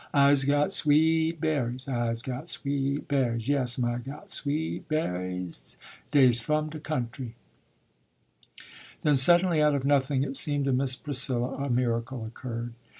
"I'se got sw eet straw ber' ies! I'se got swe e t str aw ber' ies! Yes'm, I'se got sw e et straw ber'ies des f'om de coun try!" Then, suddenly, out of nothing, it seemed to Miss Priscilla, a miracle occurred!